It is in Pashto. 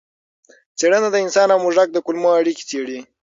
څېړنه د انسان او موږک د کولمو اړیکې څېړي.